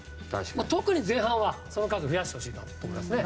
特に前半はその数を増やしてほしいなと思いますね。